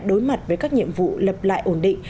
đối mặt với các nhiệm vụ lập lại ổn định